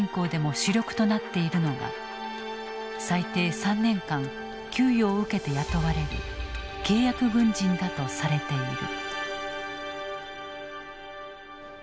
主力となっているのが最低３年間給与を受けて雇われる契約軍人だとされている。